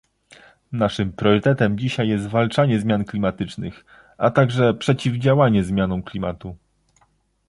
Naszym priorytetem dzisiaj jest zwalczanie zmian klimatycznych, a także przeciwdziałanie zmianom klimatu